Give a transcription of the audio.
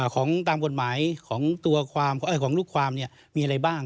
ของตามกฎหมายของตัวความของลูกความมีอะไรบ้าง